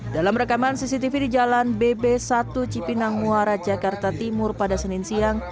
dalam rekaman cctv di jalan bb satu cipinang muara jakarta timur pada senin siang